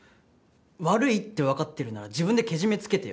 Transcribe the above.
悪いって分かってるなら自分でけじめつけてよ